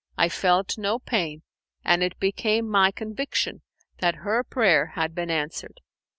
I felt no pain and it became my conviction that her prayer had been answered.